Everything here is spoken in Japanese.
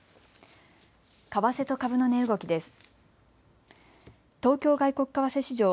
為替と株の値動きです。